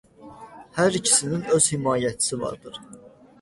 Hər ikisinin öz himayəçisi vardır.